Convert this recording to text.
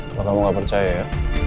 kalau kamu gak percaya ya